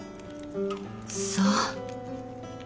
そう。